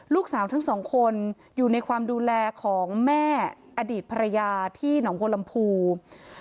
ลูกสาวทั้งสองคนอยู่ในความดูแลของแม่อดีตภรรยาที่หนองบัวลำพู